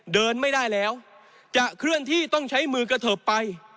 เดินไม่ได้แล้วจะเคลื่อนที่ต้องใช้มือกระเทิบไป